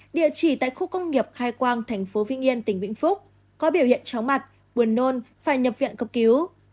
địa chỉ tại khu công nghiệp khai quang thành phố vĩnh yên tỉnh vĩnh phúc có biểu hiện chóng mặt buồn nôn phải nhập viện cấp cứu